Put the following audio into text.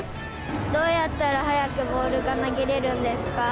どうやったら速くボールが投げれるんですか？